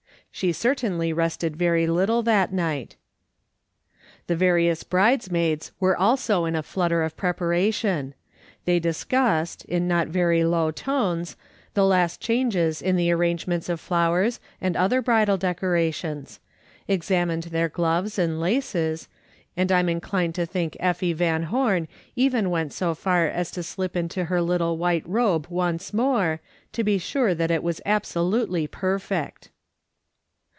She certainly rested very little that night. The various bridesmaids were also in a flutter of prepara tion. They discussed, in not very low tones, the last changes in the arrangements of flowers and other bridal decorations ; examined their gloves and laces, and I'm inclined to think Effie Van Home even went so far as to slip into her white robe once more, to be sure that it was absolutely perfect.